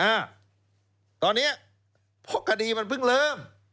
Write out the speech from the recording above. อ่าตอนนี้เพราะคดีมันเพิ่งเริ่ม